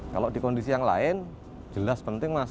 kalau di kondisi yang lain jelas penting mas